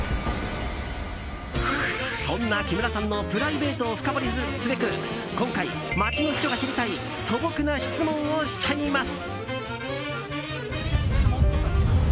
そんな木村さんのプライベートを深掘りすべく今回、街の人が知りたい素朴な質問をしちゃいます！